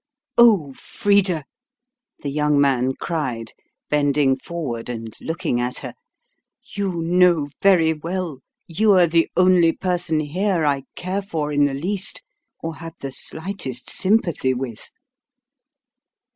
"O Frida," the young man cried, bending forward and looking at her, "you know very well you're the only person here I care for in the least or have the slightest sympathy with."